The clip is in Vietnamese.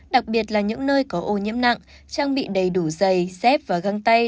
đặc biệt là những nơi có ô nhiễm nặng trang bị đầy đủ giày dép và găng tay